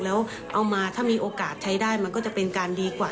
แล้วเอามาถ้ามีโอกาสใช้ได้มันก็จะเป็นการดีกว่า